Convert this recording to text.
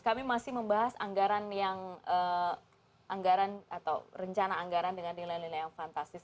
kami masih membahas anggaran yang anggaran atau rencana anggaran dengan nilai nilai yang fantastis